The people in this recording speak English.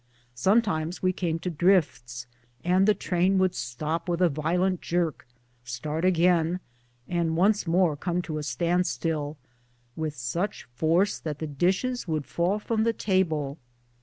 Sometimes we came to drifts, and the train w^ould stop with a violent jerk, start again, and once more come to a stand still, with such force that the dishes would fall from the table.